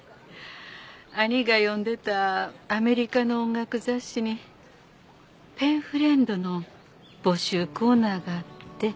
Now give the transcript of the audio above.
兄が読んでたアメリカの音楽雑誌にペンフレンドの募集コーナーがあって。